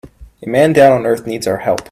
A man down on earth needs our help.